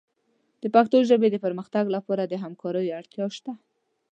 د پښتو ژبې د پرمختګ لپاره د همکاریو اړتیا شته.